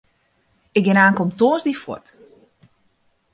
Ik gean ankom tongersdei fuort.